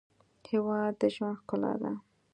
هېواد د ژوند ښکلا ده.